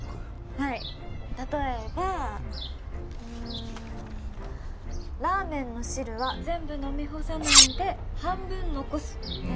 はい例えばうんラーメンの汁は全部飲み干さないで半分残す！